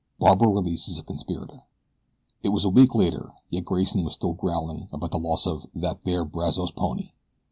BARBARA RELEASES A CONSPIRATOR IT was a week later, yet Grayson still was growling about the loss of "that there Brazos pony."